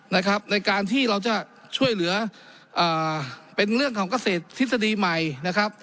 ในการที่เราจะช่วยเหลือเป็นเรื่องของเกษตรทฤษฎีใหม่นะครับ